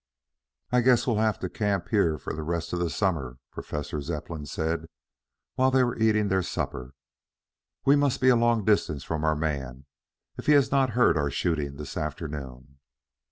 "I guess we shall have to camp here for the rest of the summer," Professor Zepplin said, while they were eating their supper. "We must be a long distance from our man if he has not heard our shooting this afternoon."